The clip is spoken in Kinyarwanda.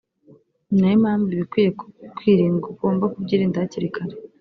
ni nayo mpamvu ibikwiye kwirindwa ugomba kubyirinda hakiri kare